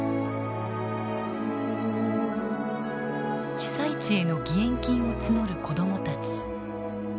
被災地への義援金を募る子どもたち。